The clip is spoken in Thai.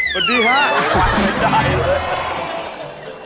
วันดีครับ